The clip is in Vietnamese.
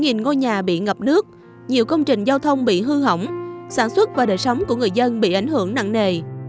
gần ngôi nhà bị ngập nước nhiều công trình giao thông bị hư hỏng sản xuất và đời sống của người dân bị ảnh hưởng nặng nề